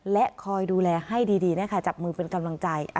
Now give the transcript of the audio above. และคอยดูแลให้ดีนะคะจับมือเป็นกำลังใจ